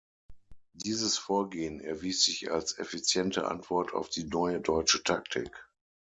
Dieses Vorgehen erwies sich als effiziente Antwort auf die neue deutsche Taktik.